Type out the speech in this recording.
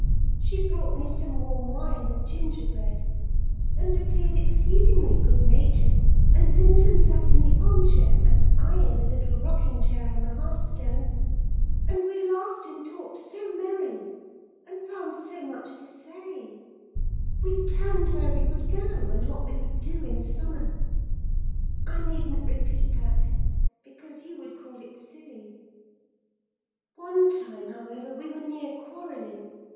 She brought me some warm wine and gingerbread, and appeared exceedingly good natured; and Linton sat in the arm chair, and I in the little rocking chair on the hearth stone, and we laughed and talked so merrily, and found so much to say: we planned where we would go, and what we would do in summer. I needn't repeat that, because you would call it silly. "One time, however, we were near quarrelling.